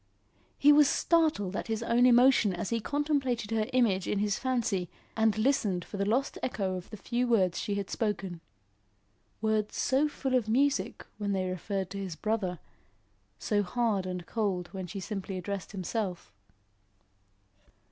He was startled at his own emotion as he contemplated her image in his fancy and listened for the lost echo of the few words she had spoken words so full of music when they referred to his brother, so hard and cold when she simply addressed himself.